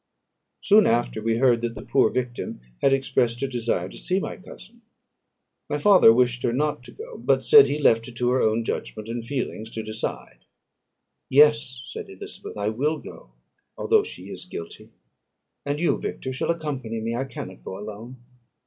Soon after we heard that the poor victim had expressed a desire to see my cousin. My father wished her not to go; but said, that he left it to her own judgment and feelings to decide. "Yes," said Elizabeth, "I will go, although she is guilty; and you, Victor, shall accompany me: I cannot go alone."